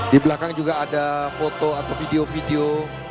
di belakang juga ada foto atau video video